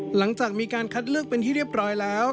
หลังจากมีการคัดเลือกเป็นที่เรียบร้อยแล้ว